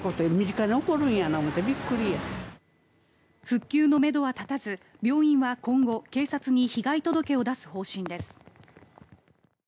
復旧のめどは立たず病院は今後警察に被害届を出す方針です。